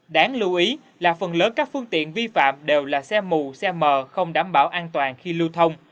đáng lưu ý là phần lớn các phương tiện vi phạm đều là xe mù xe mờ không đảm bảo an toàn khi lưu thông